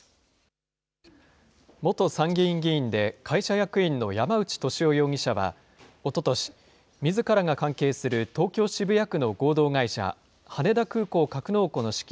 元参議院議員で会社役員の山内俊夫容疑者はおととし、みずからが関係する東京・渋谷区の合同会社、羽田空港格納庫の資金